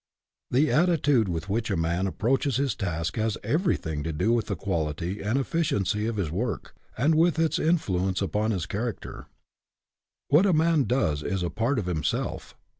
The attitude with which a man approaches his task has everything to do with the quality and efficiency of his work, and with its influ ence upon his character. What a man does is a part of himself.